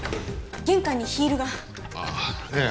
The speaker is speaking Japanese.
玄関にヒールがああええ